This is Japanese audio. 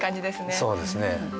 そうですね。